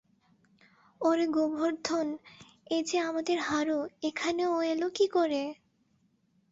ওরে গোবর্ধন, এ যে আমাদের হারু এখানে ও এল কী করে?